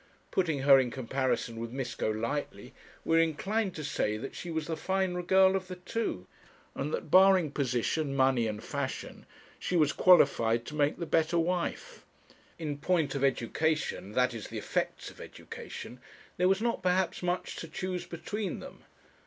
Putting her in comparison with Miss Golightly, we are inclined to say that she was the finer girl of the two; and that, barring position, money, and fashion, she was qualified to make the better wife. In point of education, that is, the effects of education, there was not perhaps much to choose between them.